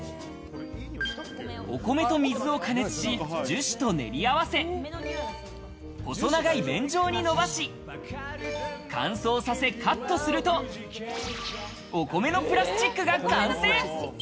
お米と水を加熱し、樹脂と練り合わせ、細長い麺状に伸ばし、乾燥させカットすると、お米のプラスチックが完成。